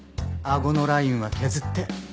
顎のラインは削って。